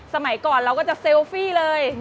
สมัยก่อนเราก็จะเซลฟี่เลย